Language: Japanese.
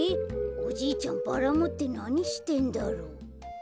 おじいちゃんバラもってなにしてんだろう。